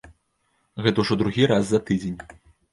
Гэта ўжо другі раз за тыдзень.